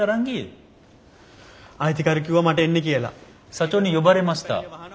社長に呼ばれました。